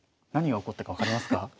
何が起こったか分かりますか？